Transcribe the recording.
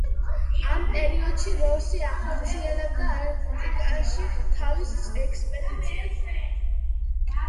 ამ პერიოდში როსი ახორციელებდა არქტიკაში თავის ექსპედიციას.